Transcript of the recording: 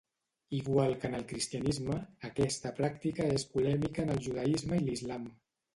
Igual que en el cristianisme, aquesta pràctica és polèmica en el judaisme i l'islam.